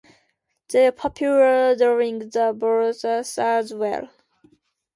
They were popular during the Baroque as well.